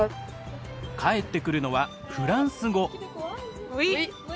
返ってくるのはフランス語。